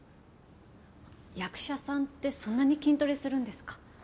役者さんってそんなに筋トレするんですか？